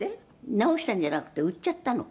「直したんじゃなくて売っちゃったの」